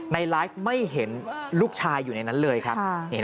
ในไลฟ์ไม่เห็นลูกชายอยู่ในนั้นเลยครับ